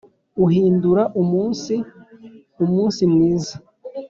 uhindura umunsi umunsi mwiza,